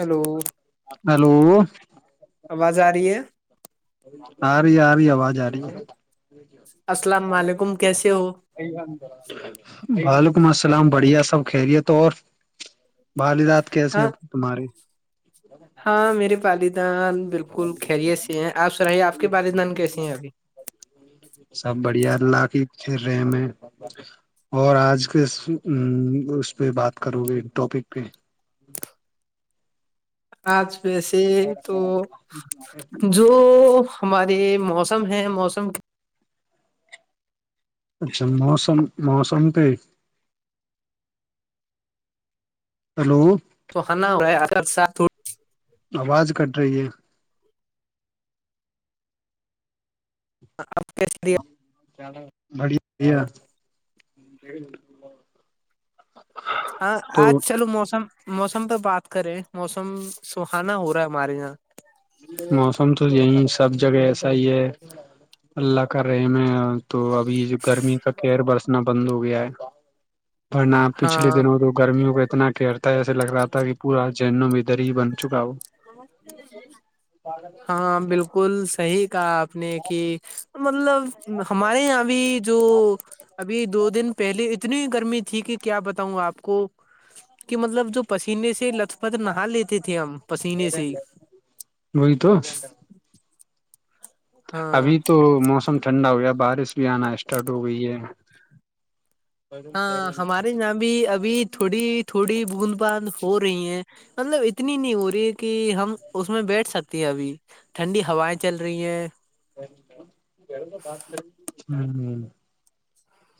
hello hello آواز آ رہی ہے آ رہی ہے آ رہی ہے آواز آ رہی ہے السلام علیکم کیسے ہو وعلیکم السلام بڑھیا سب خیری ہے تو اور بدات کیسی ہاں ہیں تمہارے ہاں میرے والدان بالکل خیریت سی ہیں آپ سرائیے آپ کے والدان کیس ہیں ابھی سب بڑھیا لاقی رہے میں اور آج کس اس پہ بات کرو گے ٹاپک پہ آج بسے تو جو ہمارے موسم ہیں موسم اچھا موسم موسم پہ ہلو تو ہناا ہوا اگر سات آواز کٹ رہی ہے اب بڑیا بیا ہاں آج چلو موسم موسم پہ بات کریں موسم سہانا ہو رہا ہے ہمارے یہاں موسم تو یہیں سب جگہ ایسا ہی ہے اللہ کر رہے میں تو ابھی گرمی کا کیئر برسنا بند ہو گیا ہے ورنہ پچھلے ہاں دنوں تو گرمیوں کو اتنا کہرتا ہے ایسے لگ رہا تھا کہ پورا جینوں میں ادھر ہی بن چکا ہو ہاں بالکل صحی کہا آپ نے کہ مطلب ہمارے یہاں ابھی جو ابھی دو دن پہلے کتنی گرمی تھی کہ کیا بتاؤں آپ کو کہ مطلب جو پسینے سے لت پت نہا لیتے تھے ہم پسینے سے ہی وہی تو ہاں ابھی تو موسم ٹھنڈا ہو گیا بارش بھی آنا اسٹارٹ ہو گئی ہے ہاں ہمارے یہاں بھی ابھی تھوڑی تھوڑی بوند باند ہو رہی ہیں مطلب اتنی نہیں ہو رہی کہ ہم اس میں بیٹھ سکتے ہیں ابھی ٹھنڈی ہوائیں چل رہی ہیں ات ہ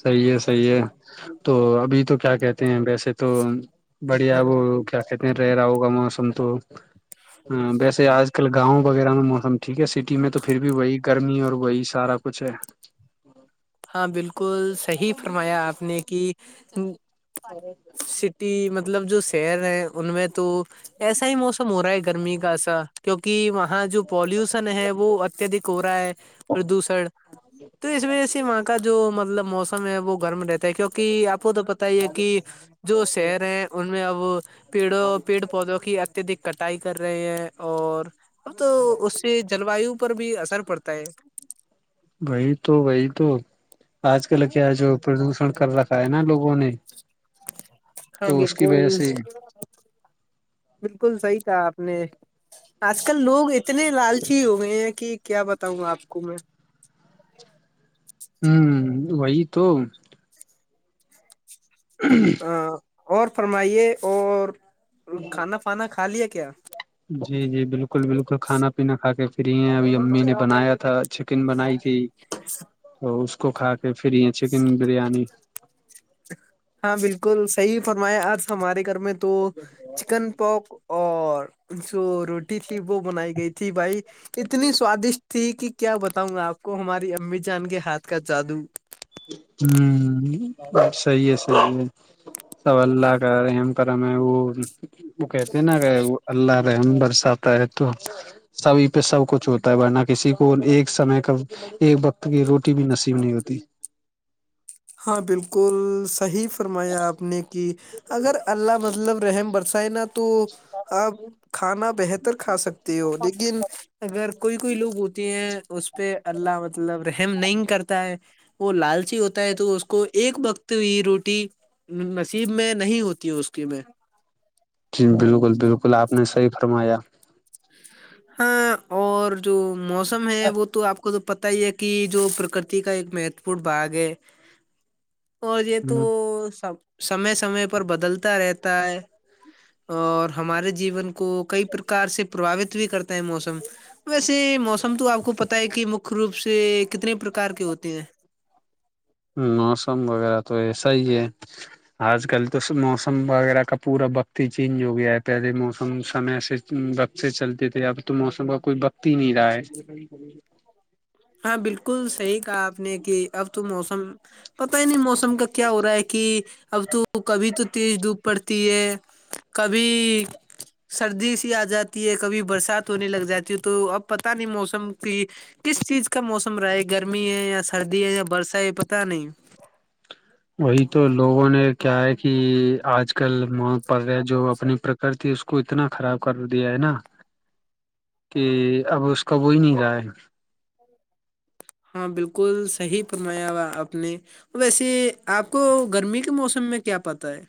صحی ہے صحیح ہے تو ابھی تو کیا کہتے ہیں ویسے تو بڑھیا وہ کیا کہتے رہ رہا ہوگا موسم تو ہ ویسے آج کل گاؤں وغیرہ میں موسم ٹھیک ہے سٹی میں تو پھر بھی وہی گرمی اور وہی سارا کچھ ہے ہاں بالکل صحیح فرمایا آپ نے کہ اور مطلب جو شیر ہیں ان میں تو ایسا ہی موسم ہو رہا ہے گرمی کا ایسا کیونکہ ہاں جو پالوشن ہے وہ اتدک ہو رہا ہے پردوشن تو اس وجہ سے وہاں کا جو مطلب موسم ہے وہ گرم رہتا کیونکہ آپ کو تو پتا ہی ہے کہ جو شہر ہیں ان میں اب پیڑوں پیڑ پودوں کی اتیہدک کٹائی کر رہے ہیں اور اب تو اس سے جلوایو پر بھی اثر پڑتا ہے وہی تو وہی تو آج کل کیا جو پردوشن کر رکھا ہے نا لوگوں نے تو ہاں اس کی وجہ بالکل سے بالکل صحیح تھا آپ نے آج کل لوگ ا اتنے لالچی ہو گئے ہیں کہ کیا بتاؤں گا آپ کو میں ہوں وہی تو ہوں ہاں اور فرمائیے اور کھانا پانا کھا لیا کیا جی جی بالکل بالکل کھانا پینا کھا کے پری ہیں ابھی امی نے بنایا تھا اچھ چکن بنائی تھی تو اس کو کھا کے پھر یہ چکن بریانی ہاں بالکل صحیح فرمایا آج ہمارے گھر میں تو چکن پوک اور جو روٹی تھی وہ بنائی گئی تھی بھائی اتنی سوادشٹ ٹھیک ہی کیا بتاؤں گا آپ کو ہماری امی جان کے ہاتھ کا جادو ہوں سی ہے سی ہے سو اللہ کرم کرم ہے وہ وہ کہتے ہیں نا کہ وہ اللہ رحم برساتتا ہے تو سبھی پہ سب کچھ ہوتا ہے ورنہ کسی کو ایک سمے کا ایک وقت کی روٹی بھی نصیب نہیں ہوتی ہاں بالکل صحیح فرمایا آپ نے کہ اگر اللہ مطلب رحم برسائے نا تو آپ کھانا بہتر کھا سکتے ہو لیکن اگر کوئی کوئی لوگ ہوتی ہیں اس پہ اللہ مطلب رہ ہم نہیں کرتا ہے وہ لالچی ہوتی ہے تو اس کو ایک وقت روٹی نصیب میں نہیں ہوتی اس کے میں جی بالکل بالکل آپ نے صحیح فرمایا ہاں اور جو موسم ہے وہ تو آپ کو تو پتا ہی ہے کہ جو پرکرتی کا ایک مہتوپورن بھاگ ہے اور یہ تو س سمے سمے پر بدلتا رہتا ہے اور ہمارے جیون کو کئی پرکار سے پرباوت بھی کرتا ہے موسم ویسے موسم تو آپ کو پتا ہے کہ مکہ روپ سے کتنے پرکار کے ہوتے ہیں موسم وغیرہ تو ایسا ہی ہے آج کل تو موسم وغیرہ کا پورا وقت ہی چینج ہو گیا ہے پہلے موسم سمے سے بق سے چلتے تھے اب تو موسم کا کوئی وقت ہی نہیں رہا ہے ہاں بالکل صحیح کہا آپ نے کہ اب تو موسم پتا ہی نہیں موسم کا کیا ہو رہا ہے کہ اب تو کبھی تو تیز دھوپ پڑتی ہے کبھی سردی سی آ جاتی ہے کبھی برسات ہونے لگ جاتی ہے تو اب پتا نہیں موسم کی کس چیز کا موسم رہا ہے گرمی ہے یا سردی ہے یا برسا ہے پتا نہیں وہی تو لوگوں نے کیا ہے کہ آج کل مت پڑ رہا ہے جو اپنی کرتی اس کو اتنا خراب کر دیا ہے نا کہ اب اس کا وہی نہیں رہا ہے ہاں بالکل صحی فرمایا وا اپپ نے ویسے آپ کو گرمی کے موسم میں کیا پتاہ ہے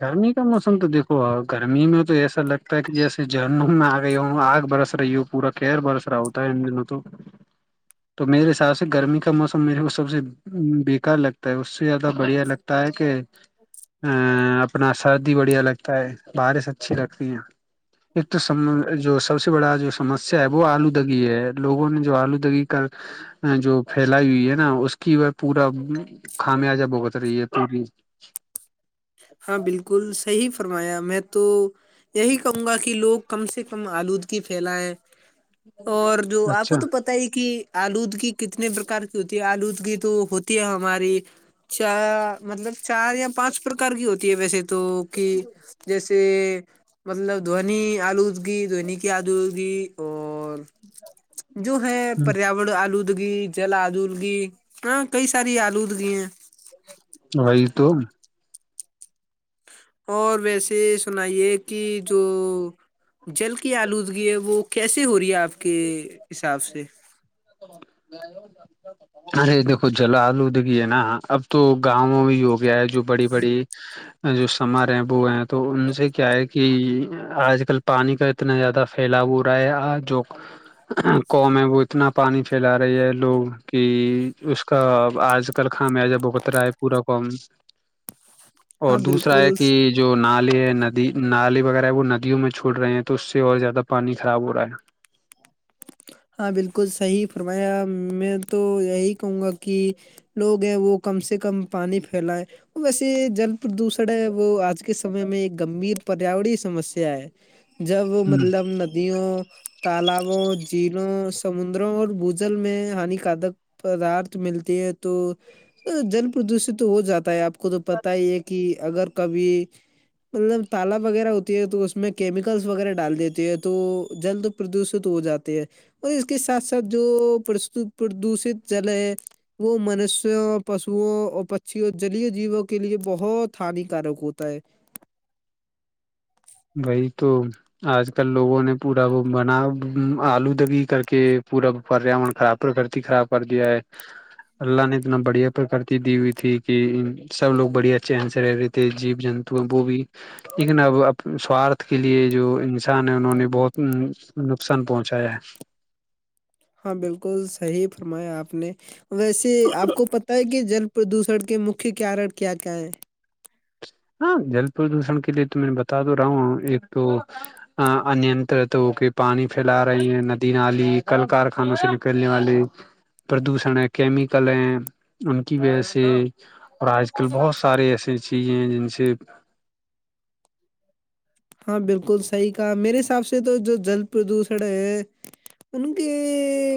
گرمی کا موسم تو دیکو گرمی میں تو ایسا لگتا ہے کہ جیسے جرنوں میں آ گئی ہوں آگ برس را پورا کیئر برسرا ہوتا ہے دن تو تو میرے حساب سے گرمی کا موسم میرے کو سب سے بیکار لگتا ہے اس سے زیادہ بڑھیا لگتا ہے کہ اچ [inaudible] ا اپنا سردی بڑھیا لگتا ہے بارش اچھی لگتی ہیں ایک تو سم جو سب سے بڑا جو سمسیا ہے وہ آلودگی ہے لوگوں نے جو آلودگی کر جو پھیلائی ہوئی ہے نا اس کی وہ پورا خامیا جب ہوت رہی ہے پوری ہاں بالکل صحیح فرمایا میں تو یہی کہوں گا کہ لوگ کم سے کم آلود کی پھیلا ہے اور جو آپ کو اچھا تو پتا پ ہی کہ آلودگی کتنے پرکار کی ہوتی ہے آلودگی تو ہوتی ہے ہماری چ مطلب چار یا پانچ پر کار کی ہوتی ہے ویسے تو کہ جیسے مطلب دھونی آلوگی دونی کی آلوگی اور جو ہے پریا ڑ آلودگی جل آلودگی ہاں کئی ساری آلودگی ہیں وہئی تو اور ویسے سنائیے کہ جو جل کی آلودگی ہے وہ کیسیے ہو رہی ہے آپ کے حساب سے ارے دیکھو جل آلو دگے نا اب تو گاؤںوں میں ہے جو بڑی بڑی جو سمار ہیں وہ ہیں تو ان سے کیا ہے کہ آج کل پانی کا اتنا زیادہ پھیلا ہو رہا ہے جو قم ہے وہ اتنا پانی کھیلا رہی ہے لوگ کہ اس کا آج کل خامیازہ ب اترا ہے پورا کام اور ہاں دوسرا ہے بالکل کہ جو نالے ہے ندی نالی وغیرہ ہے وہ ندیوں میں چھوڑ رہے ہیں تو اس سے اور زیادہ پانی خراب ہو رہا ہے ہاں بالکل صحی فرمایا میں تو یہی کہوں گا کہ لوگ ہیں وہ کم سے کم پانی پھیلا ہے ویسے جل پردوشن ہے وہ آج کےمے میں ایک گمبھیر پریاور سمسیا ہے جب ہوں مطلب ندیوں تالابوں چینوں سمندروں اور بوجل میں ہانیکارک پدارت ملتی ہے تو جل پردوشت تو ہو جاتا ہے آپ کو تو پتا ہی ہے کہ اگر کبھی مطلب تالا وغیرہ ہوتی ہے تو اس میں کیمیکلس وغیرہ ڈال دیتی ہے تو جلد پردوشت ہو جاتا اور اس کے ساتھ ساتھ جو پردوشت جل ہے وہ منش اور پشوؤ اور پشی جلی جیووں کے لیے بہت ہانیکارک ہوتا ہے وہی تو آج کل لوگوں نے پورا وہ بنا آلو دبی کر کے پورا پریاورن خراب پرکتی خراب کر دیا ہے اللہ نے اتنا بڑھیا پرکرتی دی ہوئی تھی کہ سب لوگ بڑھیا چین سے رہ رہے تھے جیب جن وہ بھی لیکن اب سوارھ کے لیے جو انسان ہے انہوں نے بہت نقصان پہنچایا ہے ہاں بالکل صحیح فرمایا آپ نے ویسے آپ کو پتا ہے کہ جل پردوشن کے مکھی کارن کیا کیا ہے ہاں جل پردوشن کے لیے تو میں بتا دو رہا ہوں ایک تو اننترت ہو کے پانی پھیلا رہی ہے ندی نالی کل کارخانوں سے نکلنے والے پردوشن ہے کیمیکل ہے ان کی وجہ سے اور آج کل بہت سارے ایسے چیزیں ہیں جن سے ہاں بالکل صحیح کہا میرے حساب سے تو جو جل پردوشن ہے ان کے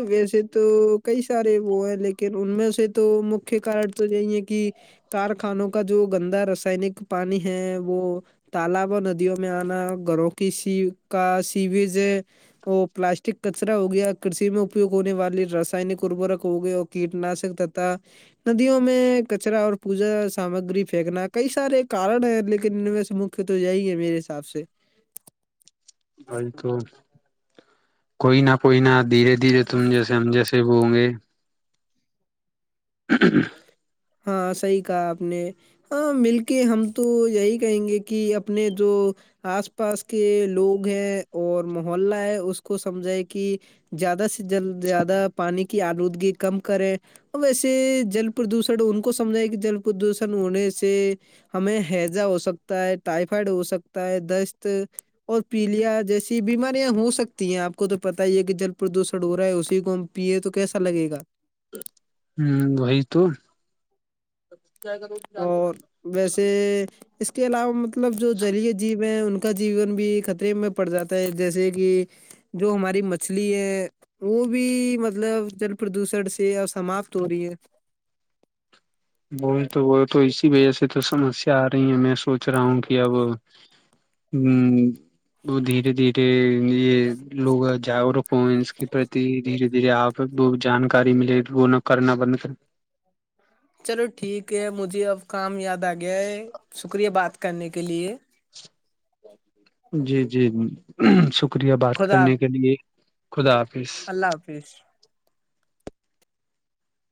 ویسے تو کئی سارے وہ ہیں لیکن ان میں سے تو مک کارن [unintelligible] کارخانوں کا جو گندا رسانک پانی ہے وہ تالاب ندیوں میں آنا گھروں کی سی کا سیوز ہے وہ پلاسٹک کچرا ہو گیا کشی میں اپیوگ ہونے والی رسانک اربرک ہو گیا کیٹناشک تتا ندیوں میں کچرا اور پوجا سامگری پھینکنا کئی سارے کارن ہے لیکن ان میں سمک تو جی ہے میرے حساب سے [unintelligible] کوئی نہ کوئی نہ دھیرے دھیرے تم جیسے ہم جیسے وہ ہ گے [unintelligible] ہاں صحیح کہا آپ نے ہاں مل کے ہم تو یہی کہیں گے کہ اپنے جو آس پاس کے لوگ ہیں اور محلہ ہے اس کو سمجھائے کہ زیادہ سے جل زیادہ پانی کی آلودگی کم کرے اور ویسے جل پردوشن س ان کو سمجھائے گ جل پردوشن ہونے سے ہمیں ہیضا ہو سکتا ہے ٹائفائڈ ہو سکتا ہے دست اور پیلیاں جیسی بیماریاں ہو سکتی ہیں آپ کو تو پتا ہی ہے کہ جل پردوشن ہو رہا ہے اسی کو ہم پیے تو کیسا لگے گا ہ وہی تو اور ویسے اس کے علاوہ مطلب جو جلی جیب ہیں ان کو کا جیون بھی خطرے میں پڑ جاتا ہے جیسے کہ جو ہماری مچھلی ہے وہ بھی مطلب جل پردوشن سے ا سماپت ہو رہی ہے بول تو وہ تو اسی وجہ سے تو سمسیا آ رہی ہے میں سوچ رہا ہوں کہ اب ہ وہ دھیرے دھیرے یہ لوگا جاگروک ہوس کے پرتی دھیرے دھیرے آپ وہ جانکاری ملے وہ نہ کرنا بند کر چلو ٹھیک ہے مجھے اب کام یاد آ گیا ہے شکریہ بات کرنے کے لیے جی جی شکریہ بات خدا کرنے حافظ کے لیے خدا حافظ اللہ حافظ